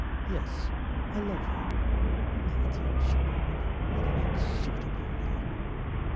Yes, I love her.'" "Matthew," she murmured, "what an unsuitable name."